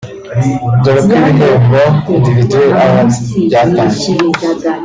Dore uko ibihembo (Individual Awards) byatanzwe